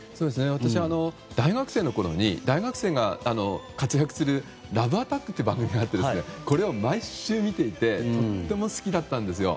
私が大学生のころに大学生が活躍する「ラブアタック」という番組があって、これを毎週見ていてとっても好きだったんですよ。